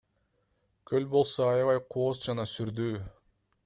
Көл болсо аябай кооз жана сүрдүү.